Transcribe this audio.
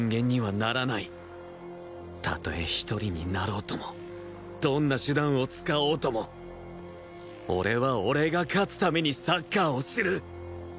たとえ１人になろうともどんな手段を使おうとも俺は俺が勝つためにサッカーをする